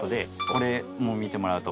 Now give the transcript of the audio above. これも見てもらうと。